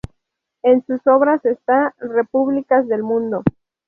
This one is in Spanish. Entre sus obras está "Repúblicas del mundo".